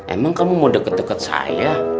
emang kamu mau deket deket saya